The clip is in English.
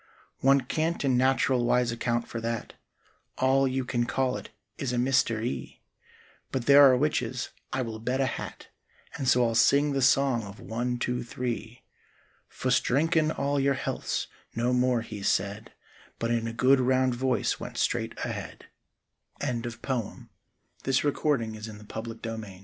One can't in nat'ral wise account for that, All you can call it is a Mr. E—— But there are witches, I will bet a hat; And so I'll sing the song of One, Two, Three, Fust drinkin' all your healths,"—no more he said, But in a good round voice went straight ahead: The Devil's Pot is a place on the North Atl